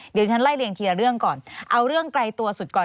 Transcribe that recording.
เดี๋ยวฉันไล่เรียงทีละเรื่องก่อนเอาเรื่องไกลตัวสุดก่อน